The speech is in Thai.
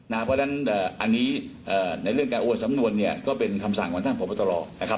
ในเรื่องการโอนสำนวนเนี่ยก็เป็นคำสั่งของท่านพบตรนะครับ